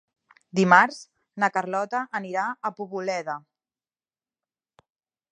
Dimarts na Carlota anirà a Poboleda.